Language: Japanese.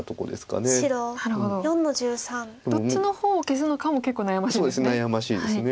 どっちの方消すのかも結構悩ましいんですね。